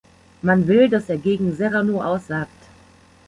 Man will, dass er gegen Serrano aussagt.